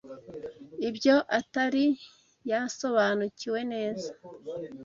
ibyo atari yasobanukiwe neza